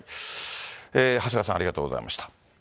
長谷川さん、ありがとうございました。